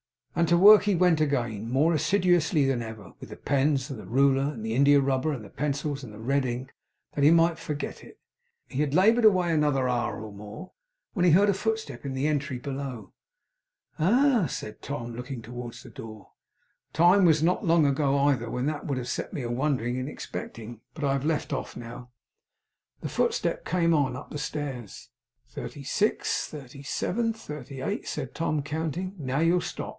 And to work he went again, more assiduously than ever, with the pens, and the ruler, and the india rubber, and the pencils, and the red ink, that he might forget it. He had laboured away another hour or more, when he heard a footstep in the entry, down below. 'Ah!' said Tom, looking towards the door; 'time was, not long ago either, when that would have set me wondering and expecting. But I have left off now.' The footstep came on, up the stairs. 'Thirty six, thirty seven, thirty eight,' said Tom, counting. 'Now you'll stop.